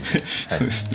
そうですね。